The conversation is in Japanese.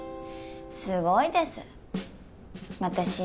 すごいです私